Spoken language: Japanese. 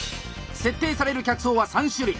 設定される客層は３種類。